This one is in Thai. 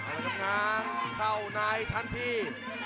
ทำงานเข้าในทันที